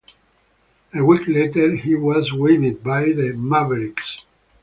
A week later, he was waived by the Mavericks.